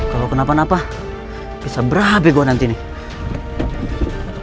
kalau kenapa napa bisa berhabi gue nanti nih